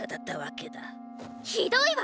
ひどいわ！